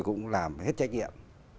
cũng làm hết trách nhiệm